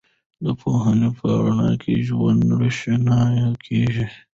د پوهنې په رڼا کې ژوند روښانه کېږي.